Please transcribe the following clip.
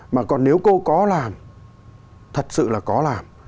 mà còn nếu cô có làm thật sự là có làm